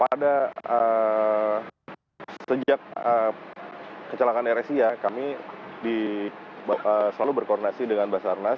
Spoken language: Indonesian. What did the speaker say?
pada sejak kecelakaan airesia kami selalu berkoordinasi dengan mas bayu